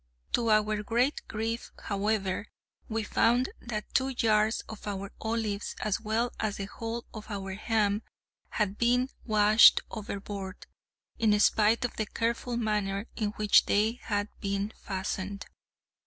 To our great grief, however, we found that two jars of our olives, as well as the whole of our ham, had been washed overboard, in spite of the careful manner in which they had been fastened.